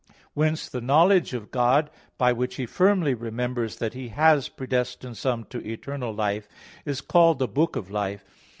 Whence, the knowledge of God, by which He firmly remembers that He has predestined some to eternal life, is called the book of life.